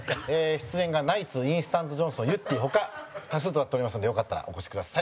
出演がナイツ、インスタントジョンソンゆってぃ他多数となっておりますのでよかったら、お越しください。